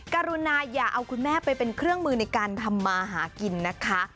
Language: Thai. กรุณาอย่าเอาคุณแม่ไปเป็นเครื่องมือในการทำมาหากินนะคะ